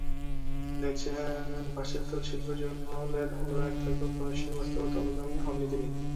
দেখেছেন, পাশ্চাত্য শিল্পে জয়নুলের অনুরাগ থাকলেও ফরাসি বাস্তবতার অনুগামী হননি তিনি।